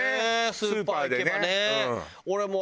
スーパー行けばね。